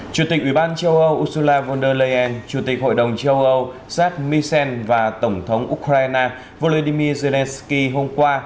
chủ tịch ủy ban châu âu ursula von der leyen chủ tịch hội đồng châu âu jad michel và tổng thống ukraine volodymyr zelensky hôm qua